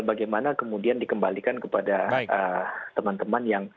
bagaimana kemudian dikembalikan kepada teman teman yang